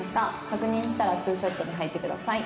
「確認したらツーショットに入ってください」